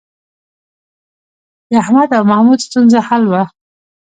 د احمد او محمود ستونزه حل وه